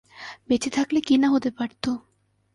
বেঁচে থাকলে কী না হতে পারত।